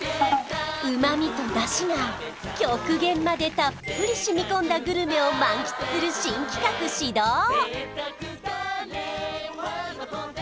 旨みと出汁が極限までたっぷり染み込んだグルメを満喫する新企画始動！